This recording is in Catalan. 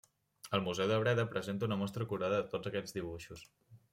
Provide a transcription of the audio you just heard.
El museu de Breda presenta una mostra acurada de tots aquests dibuixos.